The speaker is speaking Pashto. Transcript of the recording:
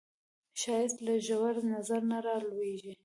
ښایست له ژور نظر نه راولاړیږي